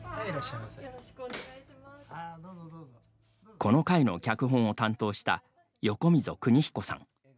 この回の脚本を担当したよこみぞ邦彦さん。